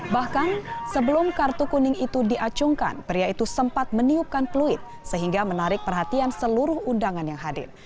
bahkan sebelum kartu kuning itu diacungkan pria itu sempat meniupkan peluit sehingga menarik perhatian seluruh undangan yang hadir